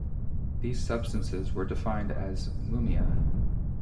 These substances were defined as mummia.